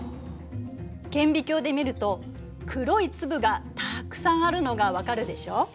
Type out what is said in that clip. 顕微鏡で見ると黒い粒がたくさんあるのが分かるでしょ？